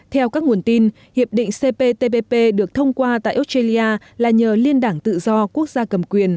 theo các nguồn tin hiệp định cptpp được thông qua tại australia là nhờ liên đảng tự do quốc gia cầm quyền